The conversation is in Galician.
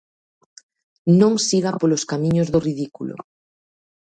Non siga polos camiños do ridículo.